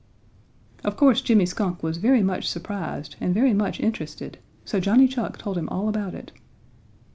Of course Jimmy Skunk was very much surprised and very much interested, so Johnny Chuck told him all about it.